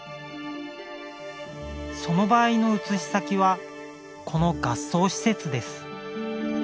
その場合の移し先はこの合葬施設です。